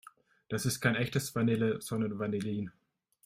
Das ist kein echtes Vanille, sondern Vanillin.